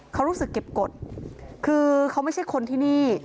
เขารู้สึกเก็บกฎคือเขาไม่ใช่คนที่นี่